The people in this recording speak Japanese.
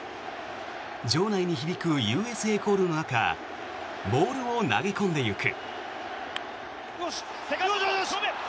場内に響くＵＳＡコールの中ボールを投げ込んでいく。